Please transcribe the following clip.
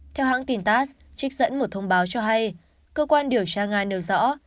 theo hãng tin tass trích dẫn một thông báo cho hay cơ quan điều tra nga nêu rõ